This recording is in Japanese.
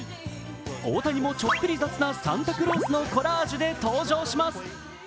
大谷も、ちょっぴり雑なサンタクロースのコラージュで登場します。